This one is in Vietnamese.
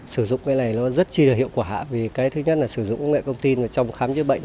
sử dụng cái này nó rất chi đều hiệu quả vì cái thứ nhất là sử dụng công ty trong khám chữa bệnh